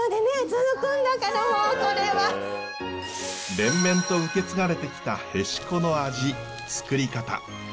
連綿と受け継がれてきたへしこの味つくり方。